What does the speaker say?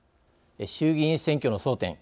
衆議院選挙の争点。